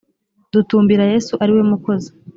dutumbira yesu ari we mukozi